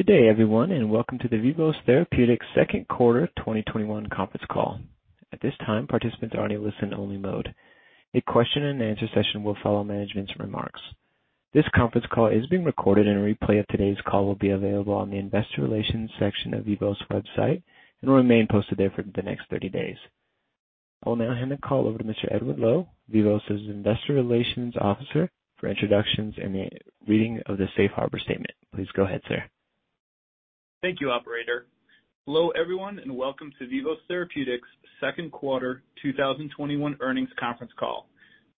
Good day, everyone, and welcome to the Vivos Therapeutics second quarter 2021 conference call. At this time, participants are in listen only mode. A question and answer session will follow management's remarks. This conference call is being recorded and a replay of today's call will be available on the investor relations section of Vivos website and will remain posted there for the next 30 days. I will now hand the call over to Mr. Edward Loew, Vivos' Investor Relations Officer, for introductions and a reading of the safe harbor statement. Please go ahead, sir. Thank you, operator. Hello, everyone, welcome to Vivos Therapeutics' second quarter 2021 earnings conference call.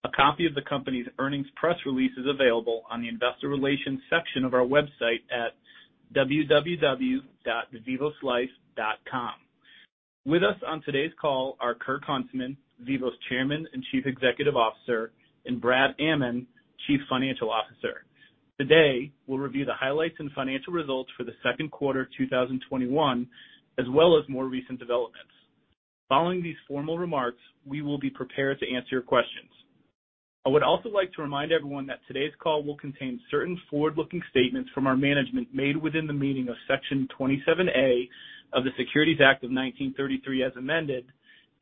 A copy of the company's earnings press release is available on the investor relations section of our website at www.vivoslife.com. With us on today's call are Kirk Huntsman, Vivos Chairman and Chief Executive Officer, and Brad Amman, Chief Financial Officer. Today, we'll review the highlights and financial results for the second quarter 2021, as well as more recent developments. Following these formal remarks, we will be prepared to answer your questions. I would also like to remind everyone that today's call will contain certain forward-looking statements from our management made within the meaning of Section 27A of the Securities Act of 1933, as amended,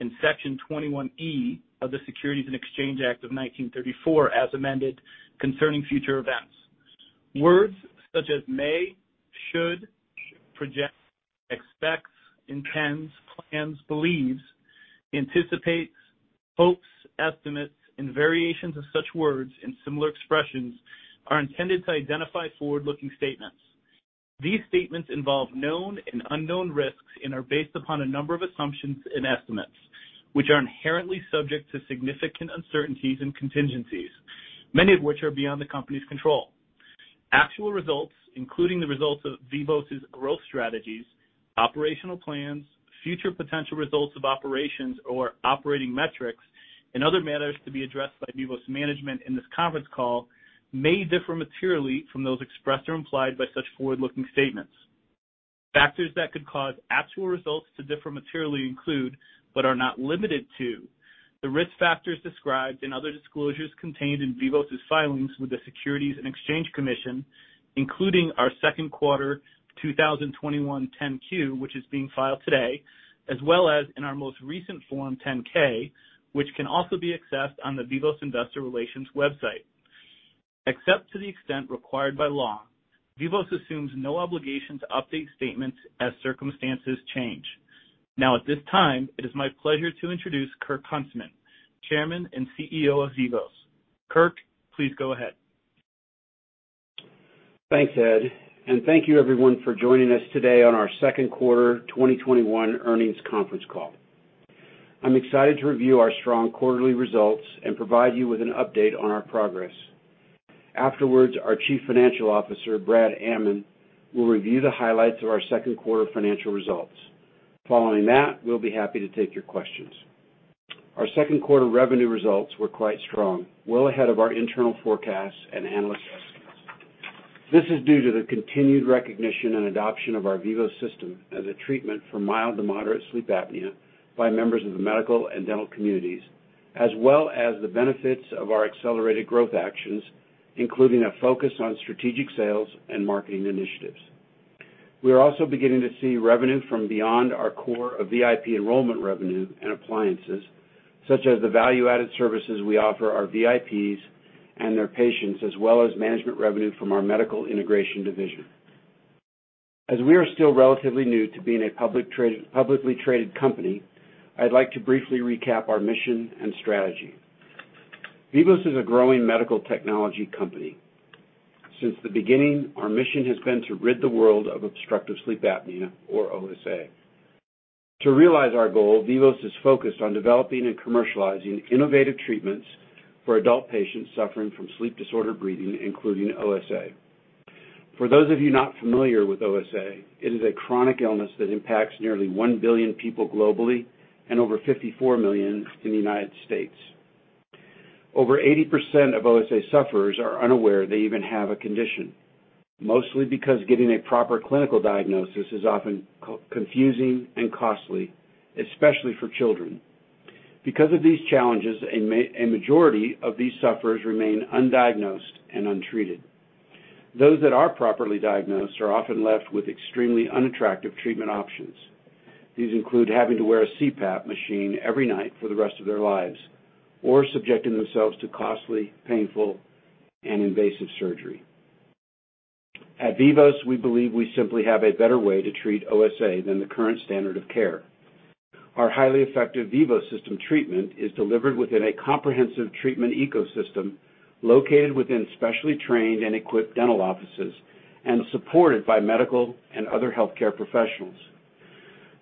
and Section 21E of the Securities Exchange Act of 1934, as amended, concerning future events. Words such as may, should, project, expects, intends, plans, believes, anticipates, hopes, estimates, and variations of such words and similar expressions are intended to identify forward-looking statements. These statements involve known and unknown risks and are based upon a number of assumptions and estimates, which are inherently subject to significant uncertainties and contingencies, many of which are beyond the company's control. Actual results, including the results of Vivos' growth strategies, operational plans, future potential results of operations or operating metrics, and other matters to be addressed by Vivos management in this conference call, may differ materially from those expressed or implied by such forward-looking statements. Factors that could cause actual results to differ materially include, but are not limited to, the risk factors described and other disclosures contained in Vivos' filings with the Securities and Exchange Commission, including our second quarter 2021 10-Q, which is being filed today, as well as in our most recent Form 10-K, which can also be accessed on the Vivos investor relations website. Except to the extent required by law, Vivos assumes no obligation to update statements as circumstances change. Now, at this time, it is my pleasure to introduce Kirk Huntsman, Chairman and CEO of Vivos. Kirk, please go ahead. Thanks, Ed, thank you everyone for joining us today on our second quarter 2021 earnings conference call. I'm excited to review our strong quarterly results and provide you with an update on our progress. Afterwards, our Chief Financial Officer, Brad Amman, will review the highlights of our second quarter financial results. Following that, we'll be happy to take your questions. Our second quarter revenue results were quite strong, well ahead of our internal forecasts and analyst estimates. This is due to the continued recognition and adoption of our Vivos System as a treatment for mild to moderate sleep apnea by members of the medical and dental communities, as well as the benefits of our accelerated growth actions, including a focus on strategic sales and marketing initiatives. We are also beginning to see revenue from beyond our core of VIP enrollment revenue and appliances, such as the value-added services we offer our VIPs and their patients, as well as management revenue from our Medical Integration Division. As we are still relatively new to being a publicly traded company, I'd like to briefly recap our mission and strategy. Vivos is a growing medical technology company. Since the beginning, our mission has been to rid the world of obstructive sleep apnea or OSA. To realize our goal, Vivos is focused on developing and commercializing innovative treatments for adult patients suffering from sleep disorder breathing, including OSA. For those of you not familiar with OSA, it is a chronic illness that impacts nearly 1 billion people globally and over 54 million in the U.S. Over 80% of OSA sufferers are unaware they even have a condition, mostly because getting a proper clinical diagnosis is often confusing and costly, especially for children. Because of these challenges, a majority of these sufferers remain undiagnosed and untreated. Those that are properly diagnosed are often left with extremely unattractive treatment options. These include having to wear a CPAP machine every night for the rest of their lives or subjecting themselves to costly, painful, and invasive surgery. At Vivos, we believe we simply have a better way to treat OSA than the current standard of care. Our highly effective Vivos System treatment is delivered within a comprehensive treatment ecosystem located within specially trained and equipped dental offices and supported by medical and other healthcare professionals.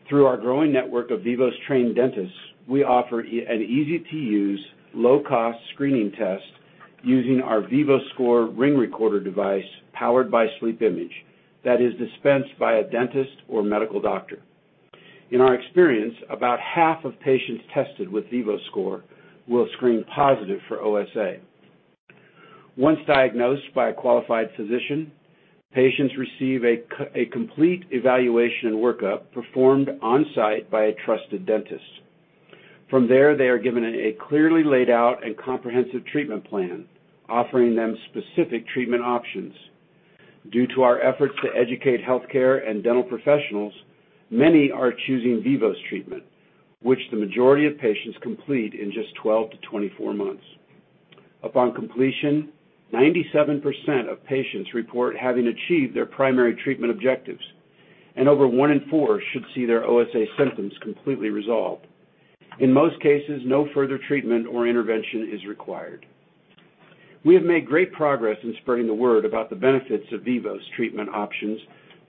Through our growing network of Vivos-trained dentists, we offer an easy-to-use, low-cost screening test using our VivoScore ring recorder device powered by SleepImage that is dispensed by a dentist or medical doctor. In our experience, about half of patients tested with VivoScore will screen positive for OSA. Once diagnosed by a qualified physician, patients receive a complete evaluation and workup performed on-site by a trusted dentist. From there, they are given a clearly laid out and comprehensive treatment plan offering them specific treatment options. Due to our efforts to educate healthcare and dental professionals, many are choosing Vivos treatment, which the majority of patients complete in just 12 to 24 months. Upon completion, 97% of patients report having achieved their primary treatment objectives, and over one in four should see their OSA symptoms completely resolved. In most cases, no further treatment or intervention is required. We have made great progress in spreading the word about the benefits of Vivos treatment options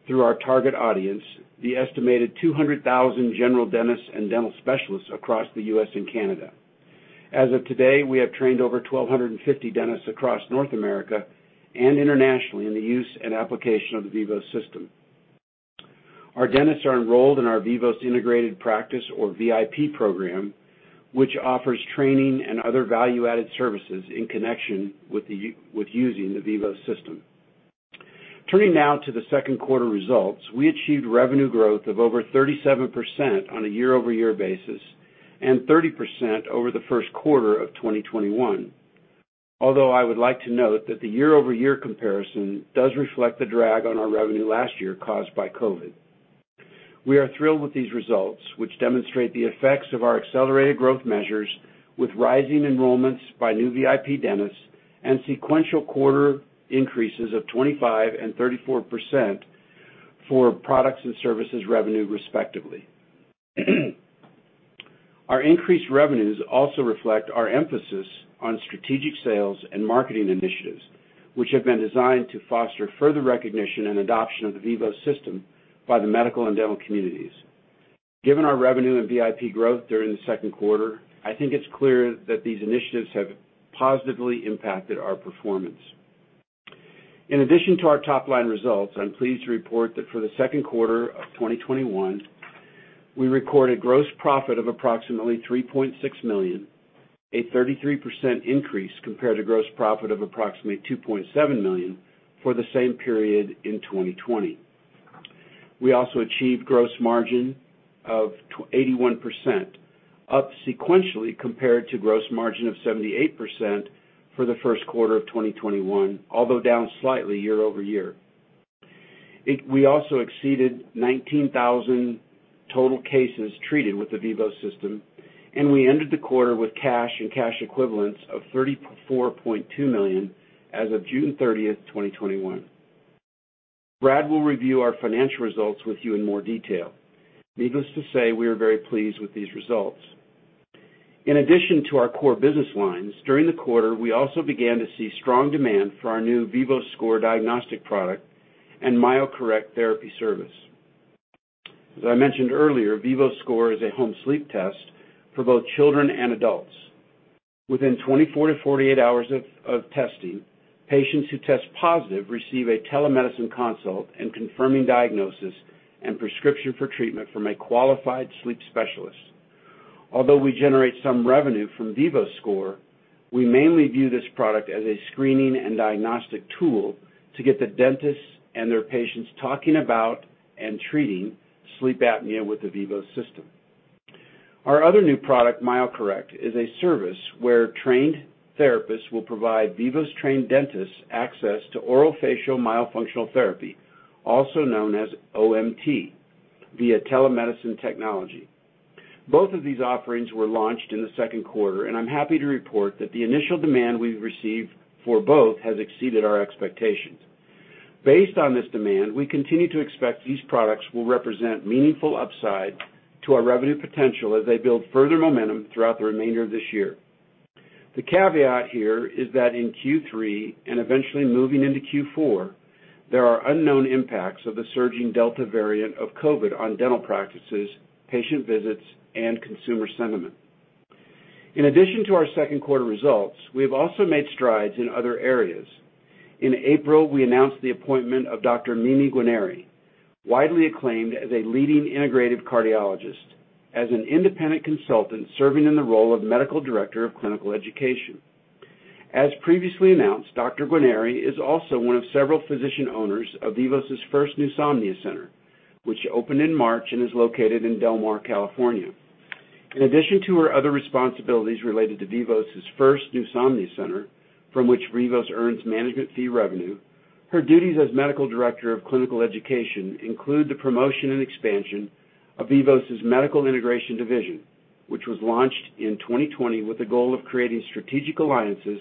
through our target audience, the estimated 200,000 general dentists and dental specialists across the U.S. and Canada. As of today, we have trained over 1,250 dentists across North America and internationally in the use and application of the Vivos System. Our dentists are enrolled in our Vivos Integrated Practice or VIP program, which offers training and other value-added services in connection with using the Vivos System. Turning now to the second quarter results. We achieved revenue growth of over 37% on a year-over-year basis and 30% over the first quarter of 2021. I would like to note that the year-over-year comparison does reflect the drag on our revenue last year caused by COVID. We are thrilled with these results, which demonstrate the effects of our accelerated growth measures with rising enrollments by new VIP dentists and sequential quarter increases of 25% and 34% for products and services revenue respectively. Our increased revenues also reflect our emphasis on strategic sales and marketing initiatives, which have been designed to foster further recognition and adoption of the Vivos System by the medical and dental communities. Given our revenue and VIP growth during the second quarter, I think it's clear that these initiatives have positively impacted our performance. In addition to our top-line results, I'm pleased to report that for the second quarter of 2021, we recorded gross profit of approximately $3.6 million, a 33% increase compared to gross profit of approximately $2.7 million for the same period in 2020. We also achieved gross margin of 81%, up sequentially compared to gross margin of 78% for the first quarter of 2021, although down slightly year-over-year. We also exceeded 19,000 total cases treated with the Vivos System, and we ended the quarter with cash and cash equivalents of $34.2 million as of June 30th, 2021. Brad will review our financial results with you in more detail. Needless to say, we are very pleased with these results. In addition to our core business lines, during the quarter, we also began to see strong demand for our new VivoScore diagnostic product and MyoCorrect therapy service. As I mentioned earlier, VivoScore is a home sleep test for both children and adults. Within 24-48 hours of testing, patients who test positive receive a telemedicine consult and confirming diagnosis and prescription for treatment from a qualified sleep specialist. Although we generate some revenue from VivoScore, we mainly view this product as a screening and diagnostic tool to get the dentists and their patients talking about and treating sleep apnea with the Vivos System. Our other new product, MyoCorrect, is a service where trained therapists will provide Vivos-trained dentists access to orofacial myofunctional therapy, also known as OMT, via telemedicine technology. Both of these offerings were launched in the second quarter, and I'm happy to report that the initial demand we've received for both has exceeded our expectations. Based on this demand, we continue to expect these products will represent meaningful upside to our revenue potential as they build further momentum throughout the remainder of this year. The caveat here is that in Q3 and eventually moving into Q4, there are unknown impacts of the surging Delta variant of COVID-19 on dental practices, patient visits, and consumer sentiment. In addition to our second quarter results, we have also made strides in other areas. In April, we announced the appointment of Dr. Mimi Guarneri, widely acclaimed as a leading integrative cardiologist, as an independent consultant serving in the role of Medical Director of Clinical Education. As previously announced, Dr. Guarneri is also one of several physician owners of Vivos' first Pneusomnia center, which opened in March and is located in Del Mar, California. In addition to her other responsibilities related to Vivos' first Pneusomnia center from which Vivos earns management fee revenue, her duties as Medical Director of Clinical Education include the promotion and expansion of Vivos' Medical Integration Division. Which was launched in 2020 with the goal of creating strategic alliances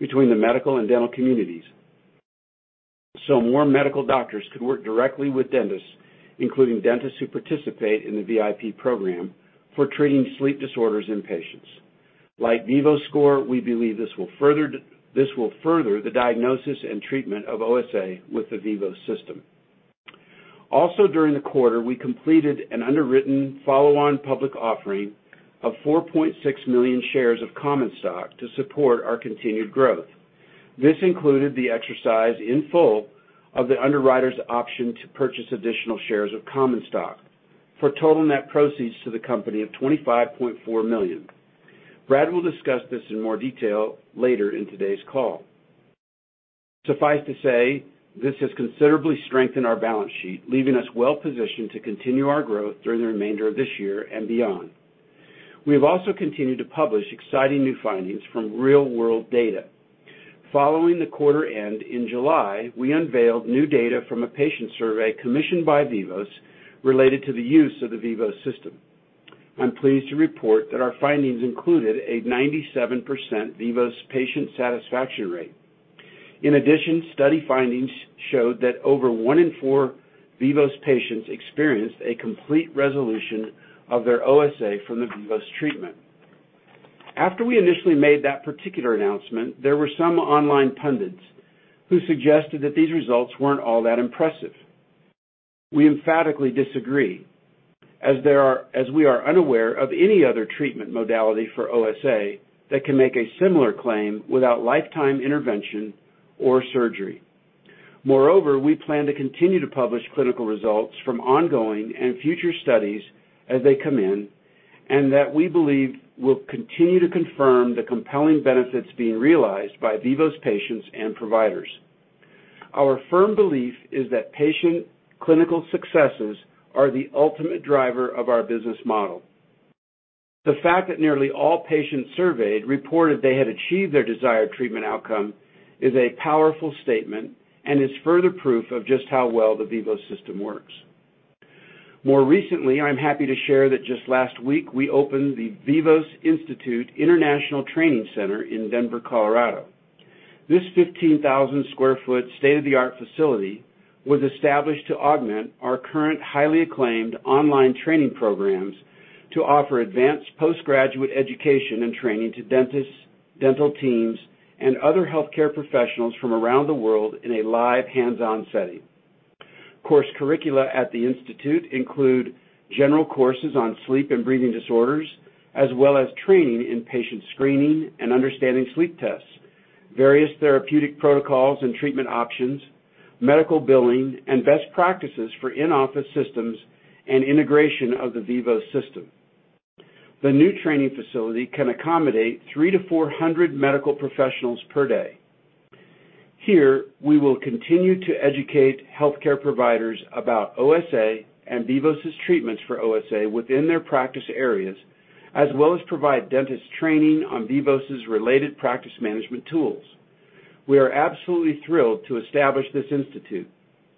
between the medical and dental communities, so more medical doctors could work directly with dentists, including dentists who participate in the VIP program for treating sleep disorders in patients. Like VivoScore, we believe this will further the diagnosis and treatment of OSA with the Vivos System. Also during the quarter, we completed an underwritten follow-on public offering of 4.6 million shares of common stock to support our continued growth. This included the exercise in full of the underwriter's option to purchase additional shares of common stock for total net proceeds to the company of $25.4 million. Brad will discuss this in more detail later in today's call. Suffice to say, this has considerably strengthened our balance sheet, leaving us well-positioned to continue our growth through the remainder of this year and beyond. We have also continued to publish exciting new findings from real-world data. Following the quarter end in July, we unveiled new data from a patient survey commissioned by Vivos related to the use of the Vivos System. I'm pleased to report that our findings included a 97% Vivos patient satisfaction rate. In addition, study findings showed that over 1 in 4 Vivos patients experienced a complete resolution of their OSA from the Vivos treatment. After we initially made that particular announcement, there were some online pundits who suggested that these results weren't all that impressive. We emphatically disagree, as we are unaware of any other treatment modality for OSA that can make a similar claim without lifetime intervention or surgery. Moreover, we plan to continue to publish clinical results from ongoing and future studies as they come in, and that we believe will continue to confirm the compelling benefits being realized by Vivos patients and providers. Our firm belief is that patient clinical successes are the ultimate driver of our business model. The fact that nearly all patients surveyed reported they had achieved their desired treatment outcome is a powerful statement and is further proof of just how well the Vivos System works. More recently, I'm happy to share that just last week, we opened The Vivos Institute in Denver, Colorado. This 15,000 sq ft state-of-the-art facility was established to augment our current highly acclaimed online training programs to offer advanced postgraduate education and training to dentists, dental teams, and other healthcare professionals from around the world in a live hands-on setting. Course curricula at The Vivos Institute include general courses on sleep and breathing disorders, as well as training in patient screening and understanding sleep tests, various therapeutic protocols and treatment options, medical billing, and best practices for in-office systems and integration of the Vivos System. The new training facility can accommodate 300-400 medical professionals per day. Here, we will continue to educate healthcare providers about OSA and Vivos's treatments for OSA within their practice areas, as well as provide dentist training on Vivos's related practice management tools. We are absolutely thrilled to establish The Vivos Institute,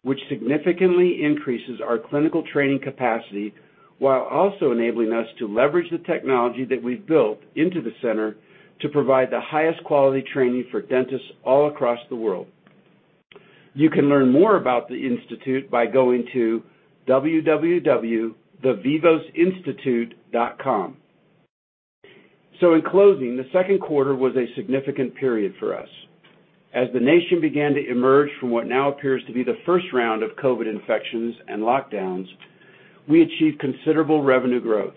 which significantly increases our clinical training capacity while also enabling us to leverage the technology that we've built into the center to provide the highest quality training for dentists all across the world. You can learn more about The Vivos Institute by going to www.thevivosinstitute.com. In closing, the second quarter was a significant period for us. As the nation began to emerge from what now appears to be the first round of COVID-19 infections and lockdowns, we achieved considerable revenue growth.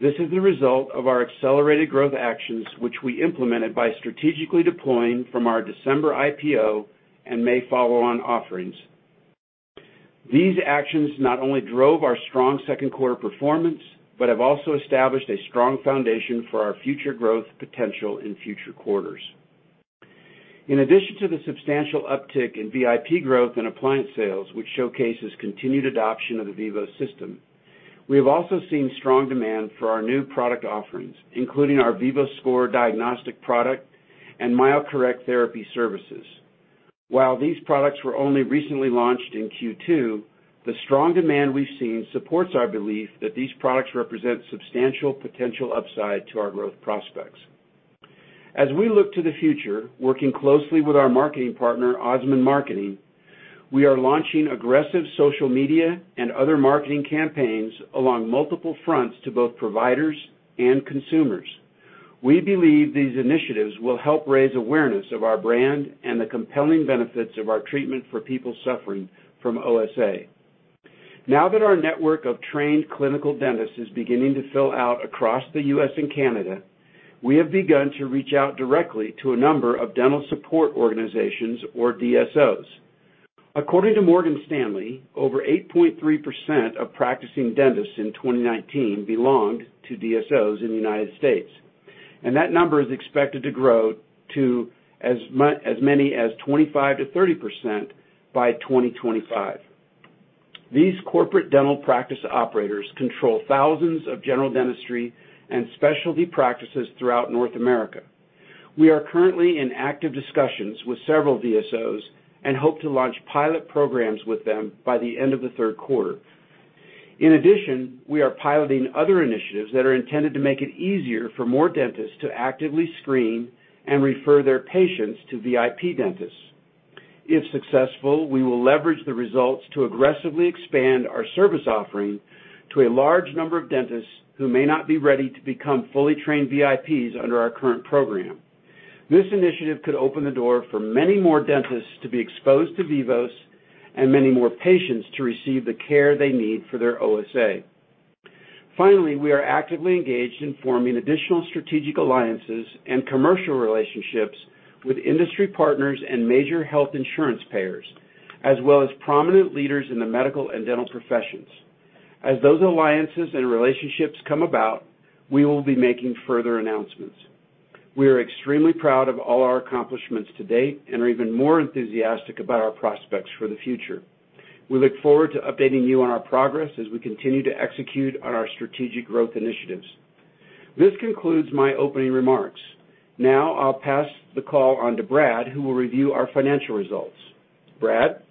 This is the result of our accelerated growth actions which we implemented by strategically deploying from our December IPO and May follow-on offerings. These actions not only drove our strong second quarter performance, but have also established a strong foundation for our future growth potential in future quarters. In addition to the substantial uptick in VIP growth and appliance sales, which showcases continued adoption of the Vivos System, we have also seen strong demand for our new product offerings, including our VivoScore diagnostic product and MyoCorrect Therapy services. While these products were only recently launched in Q2, the strong demand we've seen supports our belief that these products represent substantial potential upside to our growth prospects. As we look to the future, working closely with our marketing partner, Osmond Marketing, we are launching aggressive social media and other marketing campaigns along multiple fronts to both providers and consumers. We believe these initiatives will help raise awareness of our brand and the compelling benefits of our treatment for people suffering from OSA. Now that our network of trained clinical dentists is beginning to fill out across the the U.S. and Canada, we have begun to reach out directly to a number of dental support organizations or DSOs. According to Morgan Stanley, over 8.3% of practicing dentists in 2019 belonged to DSOs in the United States, and that number is expected to grow to as many as 25%-30% by 2025. These corporate dental practice operators control thousands of general dentistry and specialty practices throughout North America. We are currently in active discussions with several DSOs and hope to launch pilot programs with them by the end of the third quarter. In addition, we are piloting other initiatives that are intended to make it easier for more dentists to actively screen and refer their patients to VIP dentists. If successful, we will leverage the results to aggressively expand our service offering to a large number of dentists who may not be ready to become fully trained VIPs under our current program. This initiative could open the door for many more dentists to be exposed to Vivos and many more patients to receive the care they need for their OSA. Finally, we are actively engaged in forming additional strategic alliances and commercial relationships with industry partners and major health insurance payers, as well as prominent leaders in the medical and dental professions. As those alliances and relationships come about, we will be making further announcements. We are extremely proud of all our accomplishments to date and are even more enthusiastic about our prospects for the future. We look forward to updating you on our progress as we continue to execute on our strategic growth initiatives. This concludes my opening remarks. Now, I'll pass the call on to Brad, who will review our financial results. Brad?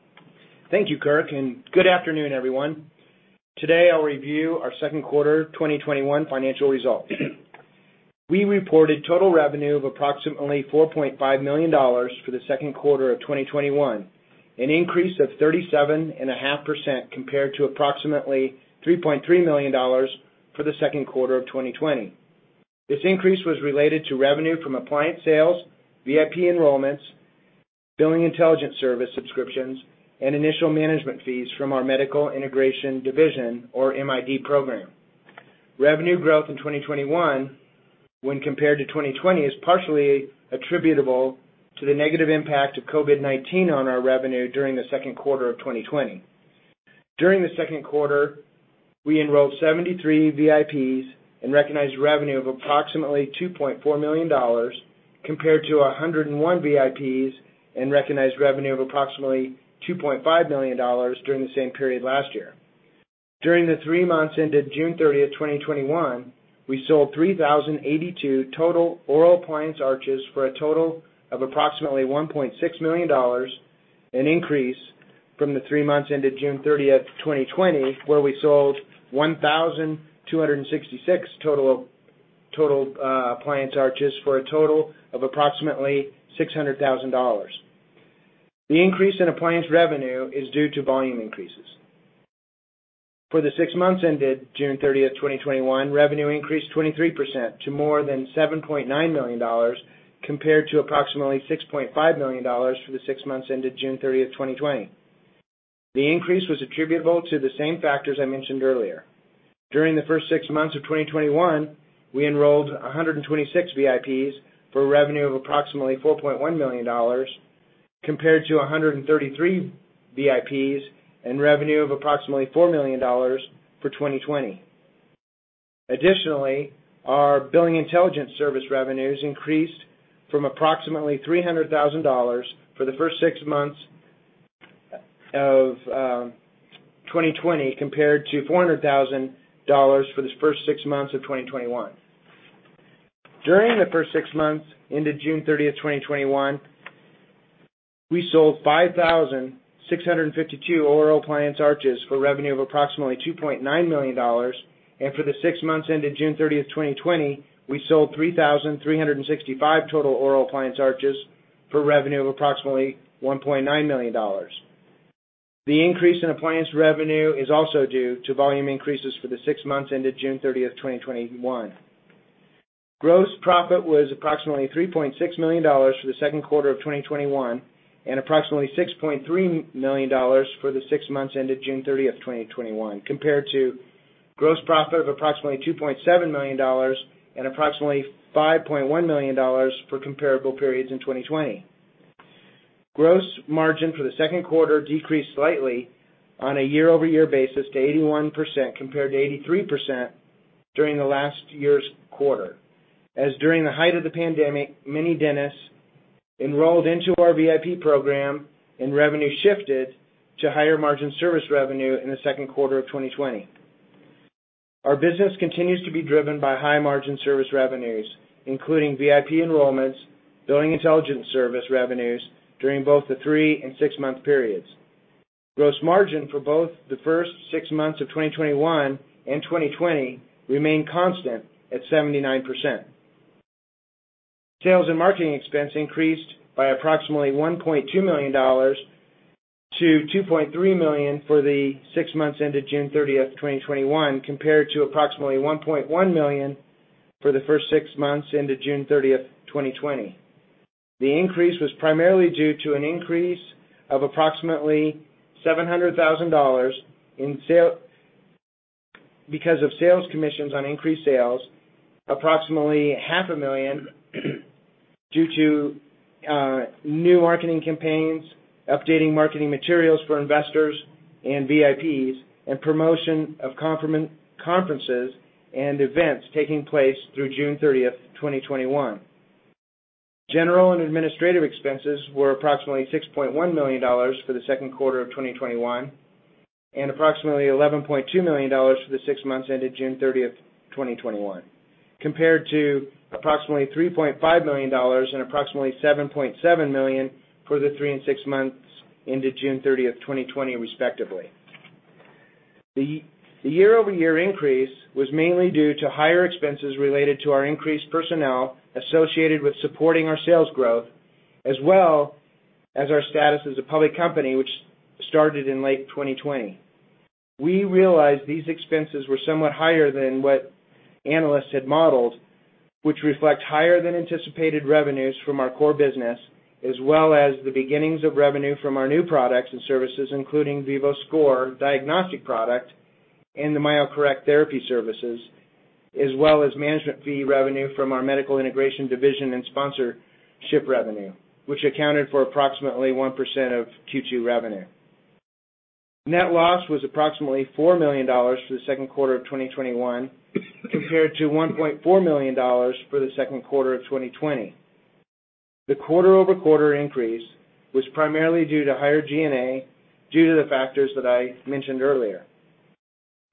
Thank you, Kirk, and good afternoon, everyone. Today, I'll review our second quarter 2021 financial results. We reported total revenue of approximately $4.5 million for the second quarter of 2021, an increase of 37.5% compared to approximately $3.3 million for the second quarter of 2020. This increase was related to revenue from appliance sales, VIP enrollments, Billing Intelligence Service subscriptions, and initial management fees from our Medical Integration Division, or MID program. Revenue growth in 2021, when compared to 2020, is partially attributable to the negative impact of COVID-19 on our revenue during the second quarter of 2020. During the second quarter, we enrolled 73 VIPs and recognized revenue of approximately $2.4 million, compared to 101 VIPs and recognized revenue of approximately $2.5 million during the same period last year. During the three months ended June 30th, 2021, we sold 3,082 total oral appliance arches for a total of approximately $1.6 million, an increase from the three months ended June 30th, 2020, where we sold 1,266 total appliance arches for a total of approximately $600,000. The increase in appliance revenue is due to volume increases. For the six months ended June 30th, 2021, revenue increased 23% to more than $7.9 million, compared to approximately $6.5 million for the six months ended June 30th, 2020. The increase was attributable to the same factors I mentioned earlier. During the first six months of 2021, we enrolled 126 VIPs for revenue of approximately $4.1 million, compared to 133 VIPs and revenue of approximately $4 million for 2020. Additionally, our Billing Intelligence Service revenues increased from approximately $300,000 for the first six months of 2020 compared to $400,000 for the first six months of 2021. During the first six months ended June 30th, 2021, we sold 5,652 oral appliance arches for revenue of approximately $2.9 million, and for the six months ended June 30th, 2020, we sold 3,365 total oral appliance arches for revenue of approximately $1.9 million. The increase in appliance revenue is also due to volume increases for the six months ended June 30th, 2021. Gross profit was approximately $3.6 million for the second quarter of 2021 and approximately $6.3 million for the six months ended June 30th, 2021, compared to gross profit of approximately $2.7 million and approximately $5.1 million for comparable periods in 2020. Gross margin for the second quarter decreased slightly on a year-over-year basis to 81%, compared to 83% during the last year's quarter, as during the height of the pandemic, many dentists enrolled into our VIP program and revenue shifted to higher margin service revenue in the second quarter of 2020. Our business continues to be driven by high margin service revenues, including VIP enrollments, Billing Intelligence Service revenues during both the three and six-month periods. Gross margin for both the first six months of 2021 and 2020 remained constant at 79%. Sales and marketing expense increased by approximately $1.2 million to $2.3 million for the six months ended June 30th, 2021, compared to approximately $1.1 million for the first six months ended June 30th, 2020. The increase was primarily due to an increase of approximately $700,000 because of sales commissions on increased sales, approximately $500,000 due to new marketing campaigns, updating marketing materials for investors and VIPs, and promotion of conferences and events taking place through June 30th, 2021. General and administrative expenses were approximately $6.1 million for the second quarter of 2021 and approximately $11.2 million for the 6 months ended June 30, 2021, compared to approximately $3.5 million and approximately $7.7 million for the three and six months ended June 30th, 2020, respectively. The year-over-year increase was mainly due to higher expenses related to our increased personnel associated with supporting our sales growth as well as our status as a public company, which started in late 2020. We realized these expenses were somewhat higher than what analysts had modeled, which reflect higher than anticipated revenues from our core business as well as the beginnings of revenue from our new products and services, including VivoScore diagnostic product and the MyoCorrect therapy services. As well as management fee revenue from our Medical Integration Division and sponsorship revenue, which accounted for approximately 1% of Q2 revenue. Net loss was approximately $4 million for the second quarter of 2021 compared to $1.4 million for the second quarter of 2020. The quarter-over-quarter increase was primarily due to higher G&A due to the factors that I mentioned earlier.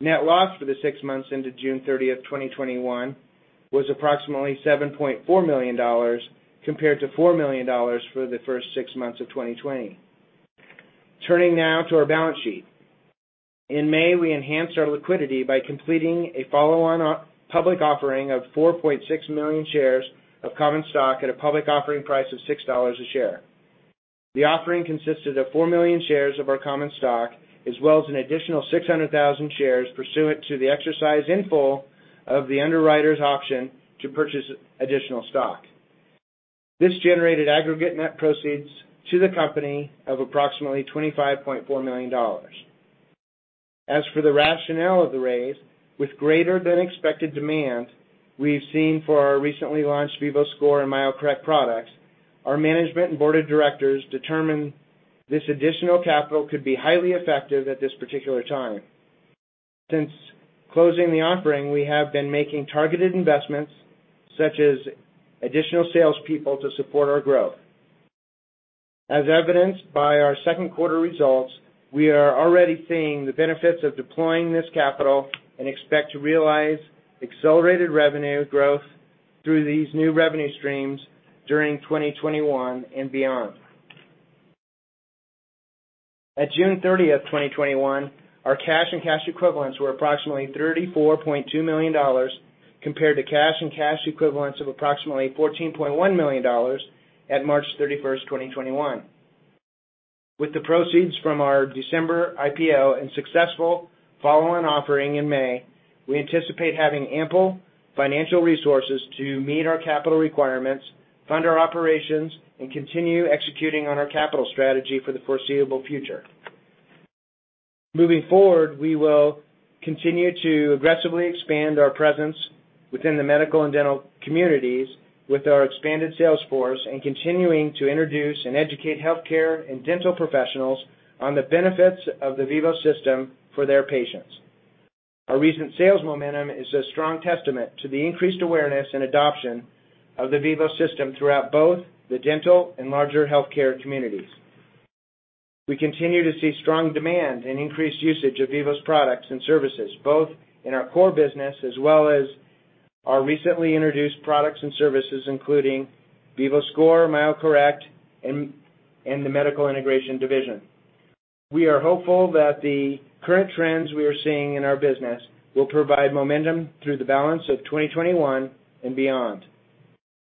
Net loss for the six months into June 30th, 2021 was approximately $7.4 million compared to $4 million for the first six months of 2020. Turning now to our balance sheet. In May, we enhanced our liquidity by completing a follow-on public offering of 4.6 million shares of common stock at a public offering price of $6 a share. The offering consisted of 4 million shares of our common stock, as well as an additional 600,000 shares pursuant to the exercise in full of the underwriter's option to purchase additional stock. This generated aggregate net proceeds to the company of approximately $25.4 million. As for the rationale of the raise, with greater than expected demand we've seen for our recently launched VivoScore and MyoCorrect products, our management and board of directors determined this additional capital could be highly effective at this particular time. Since closing the offering, we have been making targeted investments such as additional salespeople to support our growth. As evidenced by our second quarter results, we are already seeing the benefits of deploying this capital and expect to realize accelerated revenue growth through these new revenue streams during 2021 and beyond. At June 30th, 2021, our cash and cash equivalents were approximately $34.2 million compared to cash and cash equivalents of approximately $14.1 million at March 31st, 2021. With the proceeds from our December IPO and successful follow-on offering in May, we anticipate having ample financial resources to meet our capital requirements, fund our operations, and continue executing on our capital strategy for the foreseeable future. Moving forward, we will continue to aggressively expand our presence within the medical and dental communities with our expanded sales force and continuing to introduce and educate healthcare and dental professionals on the benefits of the Vivos System for their patients. Our recent sales momentum is a strong testament to the increased awareness and adoption of the Vivos System throughout both the dental and larger healthcare communities. We continue to see strong demand and increased usage of Vivos' products and services, both in our core business as well as our recently introduced products and services, including VivoScore, MyoCorrect, and the Medical Integration Division. We are hopeful that the current trends we are seeing in our business will provide momentum through the balance of 2021 and beyond.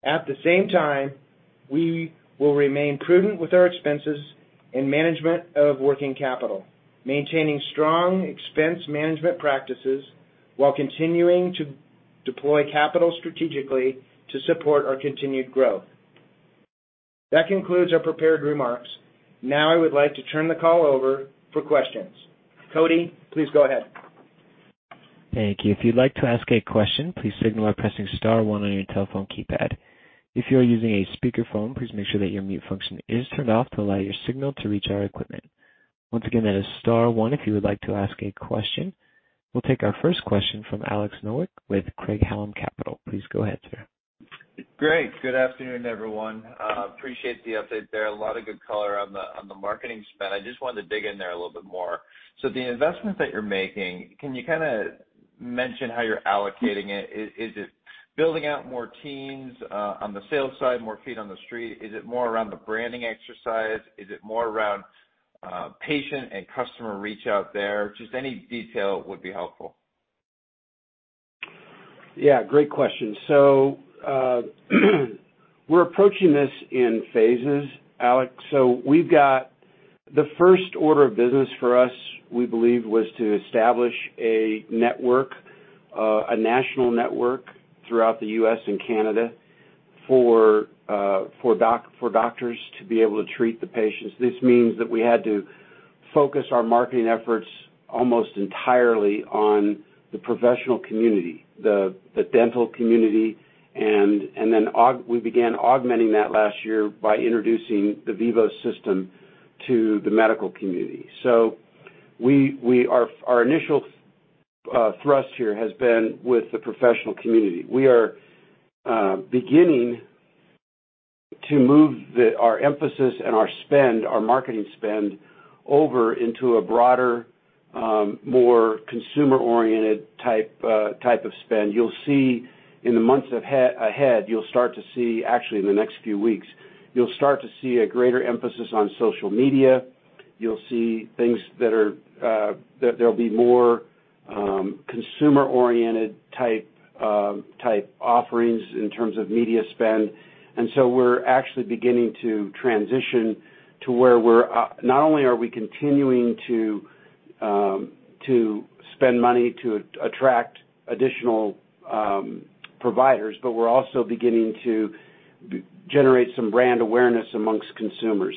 At the same time, we will remain prudent with our expenses and management of working capital, maintaining strong expense management practices while continuing to deploy capital strategically to support our continued growth. That concludes our prepared remarks. Now I would like to turn the call over for questions. Cody, please go ahead. Thank you. If you'd like to ask a question, please signal by pressing star one on your telephone keypad. If you are using a speakerphone, please make sure that your mute function is turned off to allow your signal to reach our equipment. Once again, that is star one if you would like to ask a question. We'll take our first question from Alex Nowak with Craig-Hallum Capital. Please go ahead, sir. Great. Good afternoon, everyone. Appreciate the update there. A lot of good color on the marketing spend. I just wanted to dig in there a little bit more. The investments that you're making, can you kind of mention how you're allocating it? Is it building out more teams on the sales side, more feet on the street? Is it more around the branding exercise? Is it more around patient and customer reach out there? Just any detail would be helpful. Yeah, great question. We're approaching this in phases, Alex Nowak. We've got the first order of business for us, we believe, was to establish a network, a national network throughout the U.S. and Canada for doctors to be able to treat the patients. This means that we had to focus our marketing efforts almost entirely on the professional community, the dental community, and then we began augmenting that last year by introducing the Vivos System to the medical community. Our initial thrust here has been with the professional community. We are beginning to move our emphasis and our spend, our marketing spend, over into a broader, more consumer-oriented type of spend. In the months ahead, you'll start to see, actually, in the next few weeks, you'll start to see a greater emphasis on social media. You'll see there'll be more consumer-oriented type offerings in terms of media spend. We're actually beginning to transition to where not only are we continuing to spend money to attract additional providers, but we're also beginning to. Generate some brand awareness amongst consumers.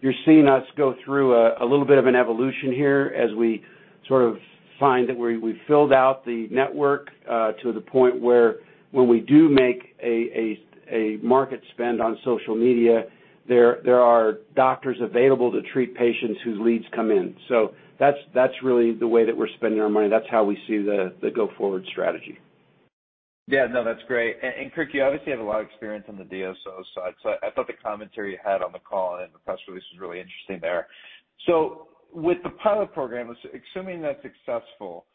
You're seeing us go through a little bit of an evolution here as we sort of find that we've filled out the network to the point where when we do make a market spend on social media, there are doctors available to treat patients whose leads come in. That's really the way that we're spending our money. That's how we see the go-forward strategy. Yeah, no, that's great. Kirk, you obviously have a lot of experience on the DSO side, so I thought the commentary you had on the call and the press release was really interesting there. With the pilot program, assuming that's successful,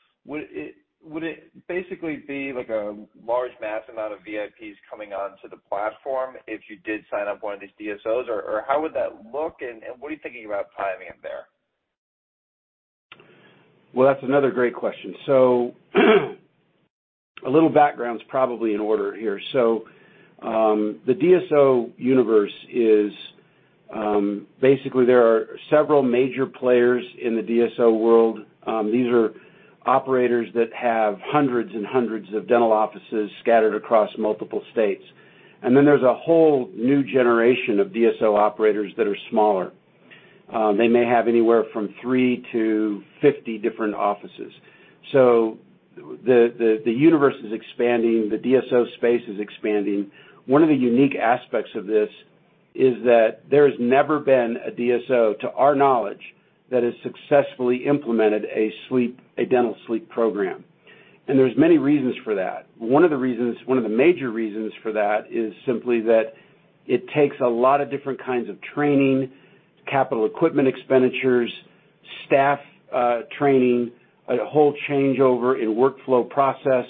would it basically be like a large mass amount of VIPs coming onto the platform if you did sign up one of these DSOs? How would that look, and what are you thinking about timing there? Well, that's another great question. A little background is probably in order here. The DSO universe is, basically there are several major players in the DSO world. These are operators that have hundreds and hundreds of dental offices scattered across multiple states. There's a whole new generation of DSO operators that are smaller. They may have anywhere from 3 to 50 different offices. The universe is expanding. The DSO space is expanding. One of the unique aspects of this is that there's never been a DSO, to our knowledge, that has successfully implemented a dental sleep program. There's many reasons for that. One of the major reasons for that is simply that it takes a lot of different kinds of training, capital equipment expenditures, staff training, a whole changeover in workflow process,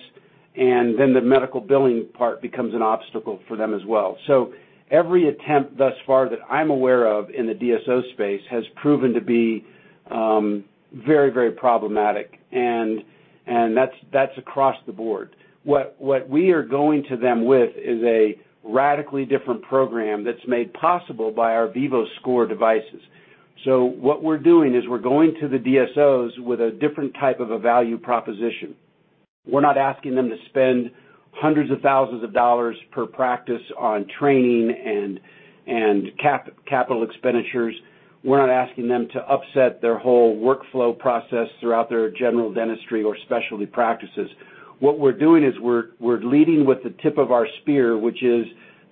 and then the medical billing part becomes an obstacle for them as well. Every attempt thus far that I'm aware of in the DSO space has proven to be very problematic, and that's across the board. What we are going to them with is a radically different program that's made possible by our VivoScore devices. What we're doing is we're going to the DSOs with a different type of a value proposition. We're not asking them to spend hundreds of thousands of dollars per practice on training and capital expenditures. We're not asking them to upset their whole workflow process throughout their general dentistry or specialty practices. What we're doing is we're leading with the tip of our spear, which is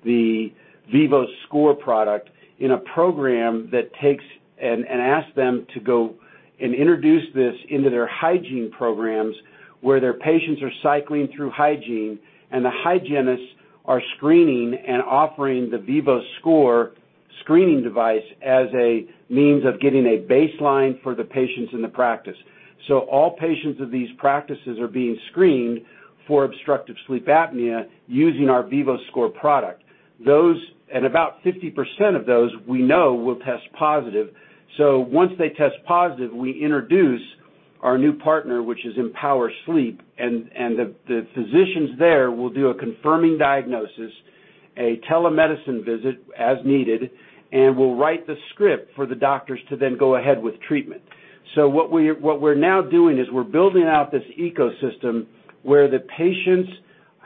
the VivoScore product in a program that takes and asks them to go and introduce this into their hygiene programs where their patients are cycling through hygiene and the hygienists are screening and offering the VivoScore screening device as a means of getting a baseline for the patients in the practice. All patients of these practices are being screened for obstructive sleep apnea using our VivoScore product. About 50% of those we know will test positive. Once they test positive, we introduce our new partner, which is Empower Sleep, and the physicians there will do a confirming diagnosis, a telemedicine visit as needed, and will write the script for the doctors to then go ahead with treatment. What we're now doing is we're building out this ecosystem where the patients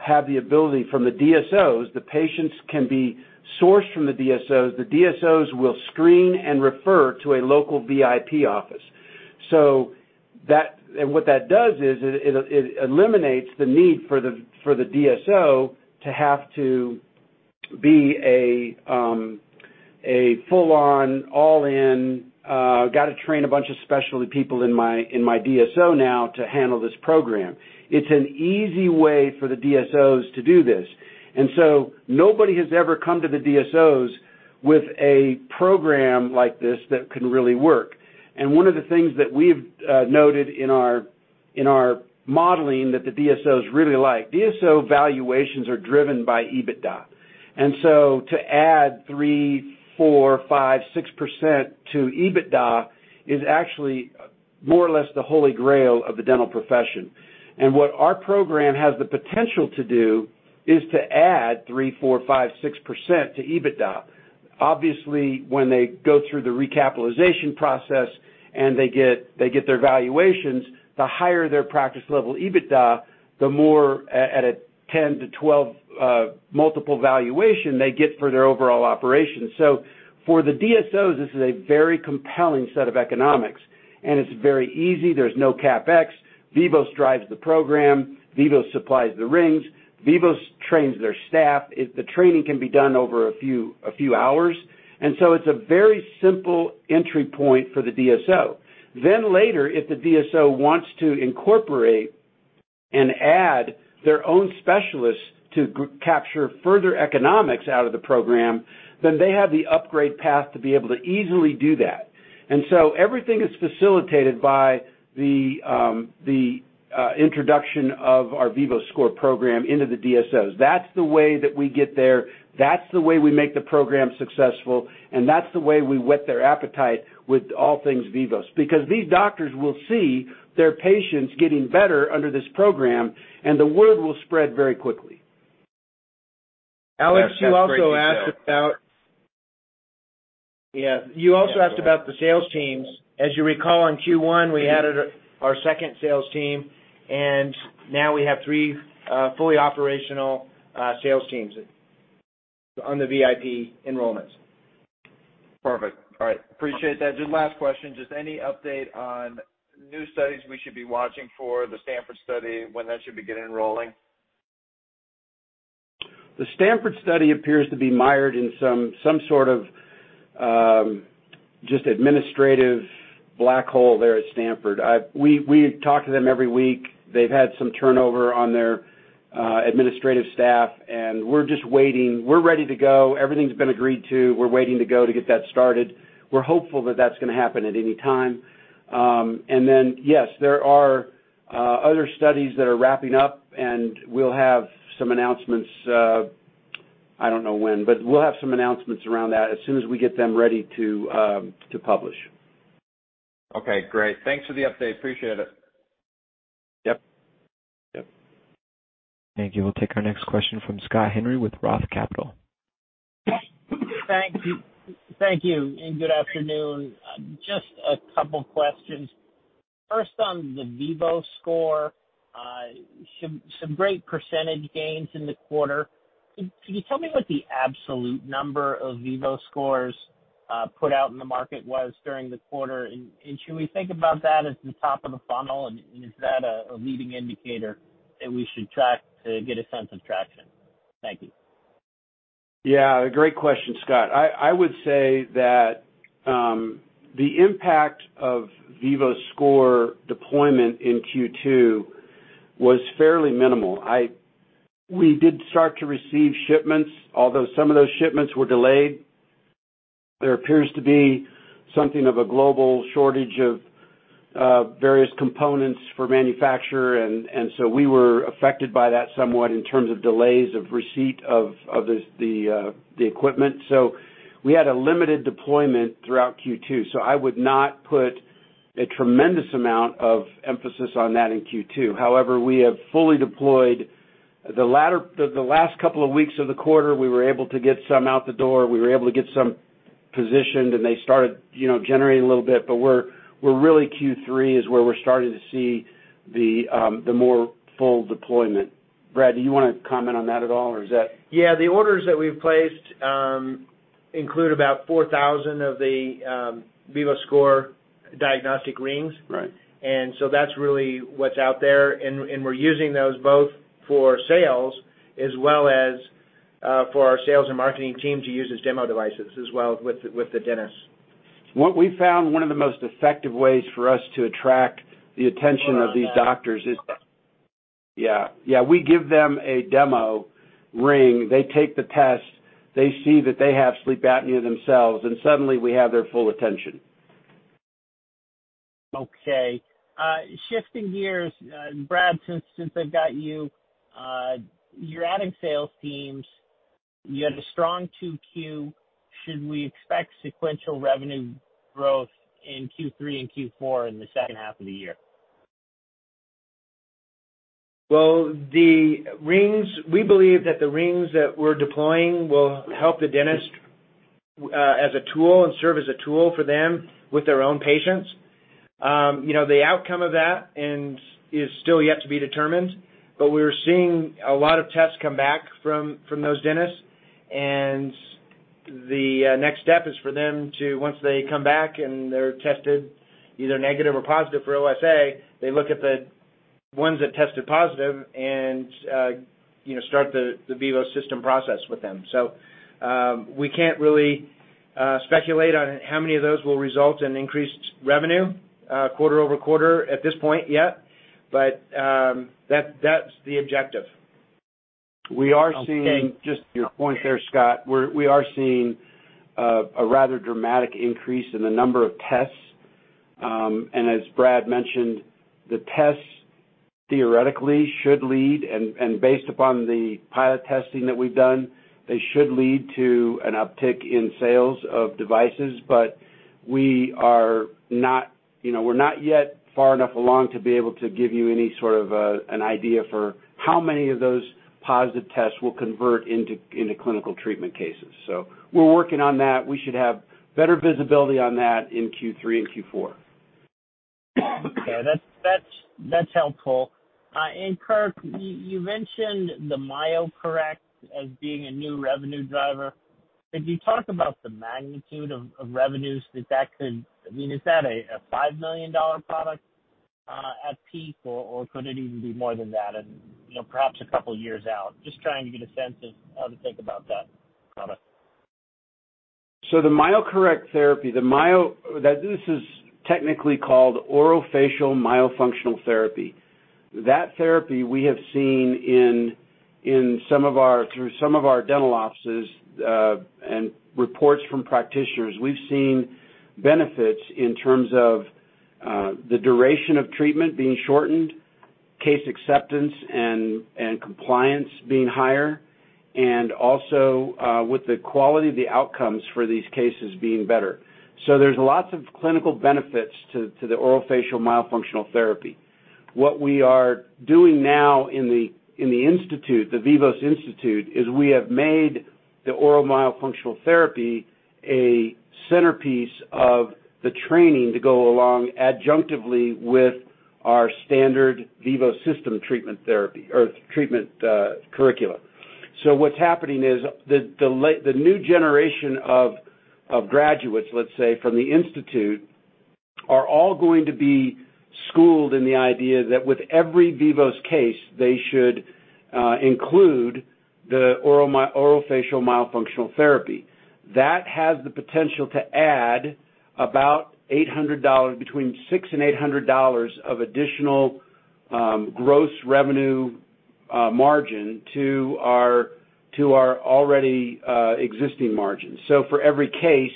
have the ability from the DSOs, the patients can be sourced from the DSOs. The DSOs will screen and refer to a local VIP office. What that does is it eliminates the need for the DSO to have to be a full on, all in, got to train a bunch of specialty people in my DSO now to handle this program. It's an easy way for the DSOs to do this. Nobody has ever come to the DSOs with a program like this that can really work. One of the things that we've noted in our modeling that the DSOs really like, DSO valuations are driven by EBITDA. To add 3%, 4%, 5%, 6% to EBITDA is actually more or less the holy grail of the dental profession. What our program has the potential to do is to add 3%, 4%, 5%, 6% to EBITDA. Obviously, when they go through the recapitalization process and they get their valuations, the higher their practice level EBITDA, the more at a 10-12 multiple valuation they get for their overall operation. For the DSOs, this is a very compelling set of economics, and it's very easy. There's no CapEx. Vivos drives the program. Vivos supplies the rings. Vivos trains their staff. The training can be done over a few hours. It's a very simple entry point for the DSO. Later, if the DSO wants to incorporate and add their own specialists to capture further economics out of the program, then they have the upgrade path to be able to easily do that. Everything is facilitated by the introduction of our VivoScore program into the DSOs. That's the way that we get there, that's the way we make the program successful, and that's the way we whet their appetite with all things Vivos. These doctors will see their patients getting better under this program, and the word will spread very quickly. Alex, you also asked. Yeah. You also asked about the sales teams. As you recall, in Q1, we added our second sales team, and now we have three fully operational sales teams on the VIP enrollments. Perfect. All right. Appreciate that. Last question, any update on new studies we should be watching for the Stanford study, when that should be getting rolling? The Stanford study appears to be mired in some sort of just administrative black hole there at Stanford. We talk to them every week. They've had some turnover on their administrative staff, we're just waiting. We're ready to go. Everything's been agreed to. We're waiting to go to get that started. We're hopeful that that's going to happen at any time. Yes, there are other studies that are wrapping up, and we'll have some announcements. I don't know when, we'll have some announcements around that as soon as we get them ready to publish. Okay, great. Thanks for the update. Appreciate it. Yep. Thank you. We'll take our next question from Scott Henry with Roth Capital. Thank you, and good afternoon. Just a couple questions. First, on the VivoScore, some great percentage gains in the quarter. Can you tell me what the absolute number of VivoScores put out in the market was during the quarter? Should we think about that as the top of the funnel, and is that a leading indicator that we should track to get a sense of traction? Thank you. Yeah. Great question, Scott. I would say that the impact of VivoScore deployment in Q2 was fairly minimal. We did start to receive shipments, although some of those shipments were delayed. There appears to be something of a global shortage of various components for manufacture, and so we were affected by that somewhat in terms of delays of receipt of the equipment. We had a limited deployment throughout Q2, so I would not put a tremendous amount of emphasis on that in Q2. However, we have fully deployed. The last couple of weeks of the quarter, we were able to get some out the door. We were able to get some positioned, and they started generating a little bit. We're really Q3 is where we're starting to see the more full deployment. Brad, do you want to comment on that at all? Yeah, the orders that we've placed include about 4,000 of the VivoScore diagnostic rings. Right. That's really what's out there, and we're using those both for sales as well as for our sales and marketing team to use as demo devices as well with the dentists. What we found one of the most effective ways for us to attract the attention of these doctors is we give them a demo ring. They take the test. They see that they have sleep apnea themselves, and suddenly we have their full attention. Okay. Shifting gears, Brad, since I've got you're adding sales teams. You had a strong 2Q. Should we expect sequential revenue growth in Q3 and Q4 in the second half of the year? We believe that the rings that we're deploying will help the dentist as a tool and serve as a tool for them with their own patients. The outcome of that is still yet to be determined, but we're seeing a lot of tests come back from those dentists, and the next step is for them to, once they come back and they're tested either negative or positive for OSA, they look at the ones that tested positive and start the Vivos System process with them. We can't really speculate on how many of those will result in increased revenue quarter-over-quarter at this point yet. That's the objective. We are seeing- Okay. Just to your point there, Scott, we are seeing a rather dramatic increase in the number of tests. As Brad mentioned, the tests theoretically should lead, and based upon the pilot testing that we've done, they should lead to an uptick in sales of devices. We're not yet far enough along to be able to give you any sort of an idea for how many of those positive tests will convert into clinical treatment cases. We're working on that. We should have better visibility on that in Q3 and Q4. Okay. That's helpful. Kirk, you mentioned the MyoCorrect as being a new revenue driver. Could you talk about the magnitude of revenues? Is that a $5 million product at peak, or could it even be more than that in perhaps a couple years out? Just trying to get a sense of how to think about that product. The MyoCorrect therapy, this is technically called orofacial myofunctional therapy. That therapy we have seen through some of our dental offices and reports from practitioners. We've seen benefits in terms of the duration of treatment being shortened, case acceptance and compliance being higher, and also with the quality of the outcomes for these cases being better. There's lots of clinical benefits to the orofacial myofunctional therapy. What we are doing now in The Vivos Institute is we have made the oral myofunctional therapy a centerpiece of the training to go along adjunctively with our standard Vivos System treatment therapy or treatment curriculum. What's happening is the new generation of graduates, let's say, from The Vivos Institute, are all going to be schooled in the idea that with every Vivos case, they should include the oral facial myofunctional therapy. That has the potential to add about between $600 and $800 of additional gross revenue margin to our already existing margin. For every case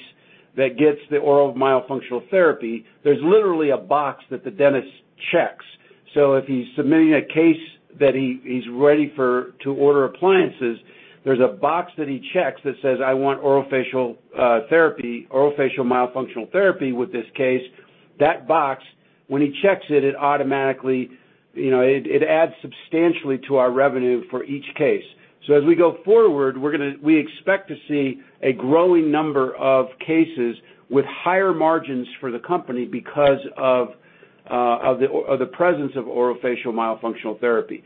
that gets the orofacial myofunctional therapy, there's literally a box that the dentist checks. If he's submitting a case that he's ready to order appliances, there's a box that he checks that says, "I want orofacial myofunctional therapy with this case." That box, when he checks it adds substantially to our revenue for each case. As we go forward, we expect to see a growing number of cases with higher margins for the company because of the presence of orofacial myofunctional therapy.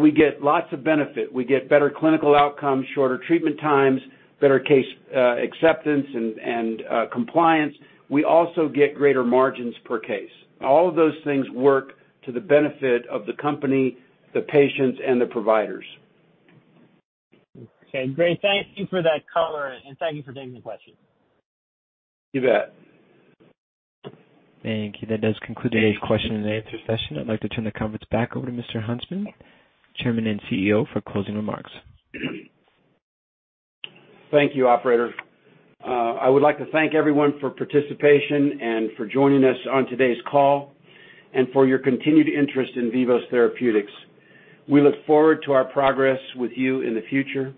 We get lots of benefit. We get better clinical outcomes, shorter treatment times, better case acceptance, and compliance. We also get greater margins per case. All of those things work to the benefit of the company, the patients, and the providers. Okay, great. Thank you for that color, and thank you for taking the question. You bet. Thank you. That does conclude today's question and answer session. I'd like to turn the conference back over to Mr. Huntsman, Chairman and CEO, for closing remarks. Thank you, operator. I would like to thank everyone for participation and for joining us on today's call and for your continued interest in Vivos Therapeutics. We look forward to our progress with you in the future.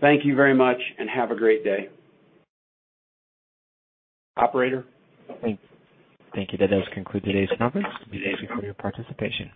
Thank you very much and have a great day. Operator? Thank you. That does conclude today's conference. Thank you for your participation.